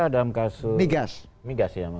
dalam kasus estm